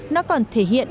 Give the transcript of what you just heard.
nó còn thể hiện